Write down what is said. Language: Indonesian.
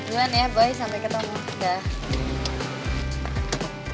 jalan ya boy sampai ketemu dah